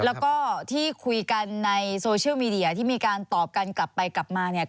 แล้วก็ที่คุยกันในโซเชียลมีเดียที่มีการตอบกันกลับไปกลับมาเนี่ย